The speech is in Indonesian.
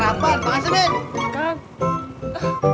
sampai jumpa lagi